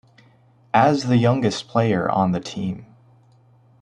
As the youngest player on the team.